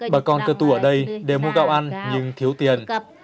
bà con cơ tu ở đây đều mua gạo ăn nhưng thiếu tiền